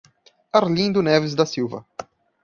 Arlindo Neves da Silva